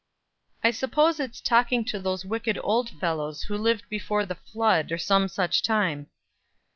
"I suppose it's talking to those wicked old fellows who lived before the flood, or some such time."